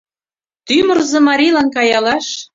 Тӱмырзӧ марийлан каялаш